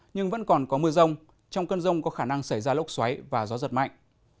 nhưng vẫn còn có mưa rông trong cơn rông có khả năng xảy ra lốc xoáy và gió giật mạnh